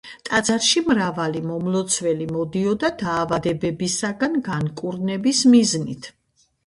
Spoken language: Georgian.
ტაძარში მრავალი მომლოცველი მოდიოდა დაავადებებისგან განკურნების მიზნით.